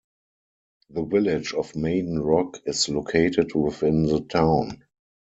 The Village of Maiden Rock is located within the town.